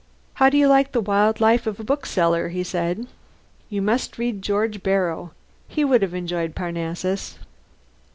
"How do you like the wild life of a bookseller?" he said. "You must read George Borrow. He would have enjoyed Parnassus."